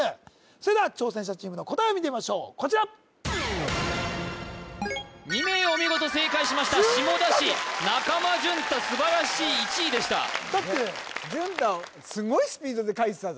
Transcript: それでは挑戦者チームの答えを見てみましょうこちら２名お見事正解しました下田市淳太君中間淳太素晴らしい１位でしただって